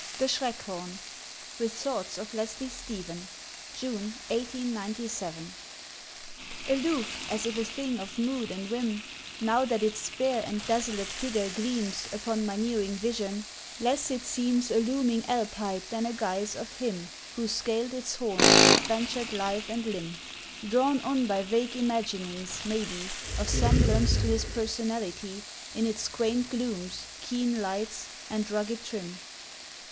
THE SCHRECKHORN (With thoughts of Leslie Stephen) (June 1897) ALOOF, as if a thing of mood and whim; Now that its spare and desolate figure gleams Upon my nearing vision, less it seems A looming Alp height than a guise of him Who scaled its horn with ventured life and limb, Drawn on by vague imaginings, maybe, Of semblance to his personality In its quaint glooms, keen lights, and rugged trim.